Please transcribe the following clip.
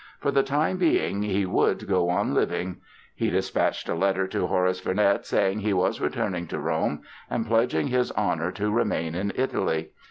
For the time being he would go on living! He dispatched a letter to Horace Vernet saying he was returning to Rome and pledging his honor to remain in Italy.